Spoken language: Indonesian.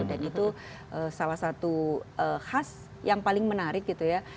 dan itu salah satu khas yang paling menarik gitu ya